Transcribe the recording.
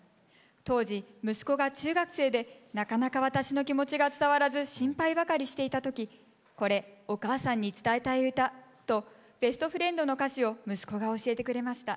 当時息子が中学生でなかなか私の気持ちが伝わらず心配ばかりしていた時「これお母さんに伝えたい歌」と「ベスト・フレンドＢｅｓｔＦｒｉｅｎｄ」の歌詞を息子が教えてくれました。